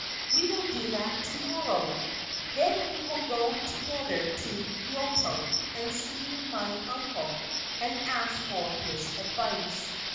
We will do that to morrow. Then we will go together to Kyoto and see my uncle, and ask for his advice.